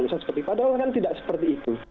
misalnya seperti padahal kan tidak seperti itu